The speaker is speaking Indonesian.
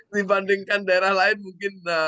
dibandingkan daerah lain mungkin